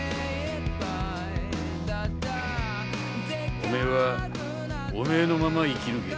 おめえはおめえのまま生き抜け。